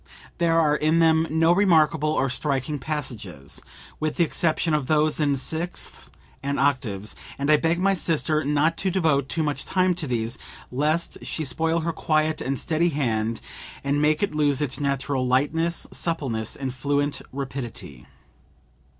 There are in them no remarkable or striking passages, with the exception of those in sixths and octaves, and I beg my sister not to devote too much time to these lest she spoil her quiet and steady hand and make it lose its natural lightness, suppleness and fluent rapidity.